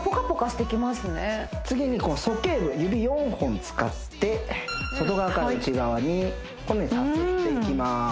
次にそけい部指４本使って外側から内側にこのようにさすっていきます